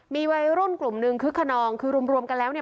มีวัยรุ่นกลุ่มนึงคึกขนองคือรวมกันแล้วเนี่ย